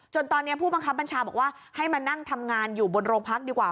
ตอนนี้ผู้บังคับบัญชาบอกว่าให้มานั่งทำงานอยู่บนโรงพักดีกว่า